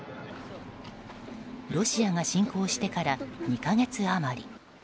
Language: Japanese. ロシアが侵攻してから２か月余り。